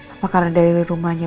apakah dari rumahnya